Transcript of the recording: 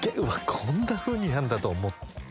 こんなふうにやるんだと思って」